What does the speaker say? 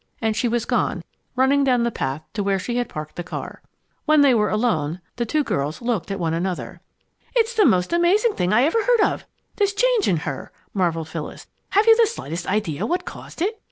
And she was gone, running down the path to where she had parked the car. When they were alone, the two girls looked at one another. "It's the most amazing thing I ever heard of this change in her!" marveled Phyllis. "Have you the slightest idea what has caused it?"